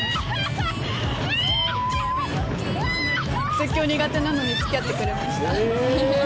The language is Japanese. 絶叫苦手なのに付き合ってくれました。